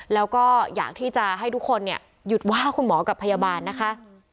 แล้วก็อยากที่จะให้ทุกคนหยุดว่าคุณหมอกับพยาบาลนะคะ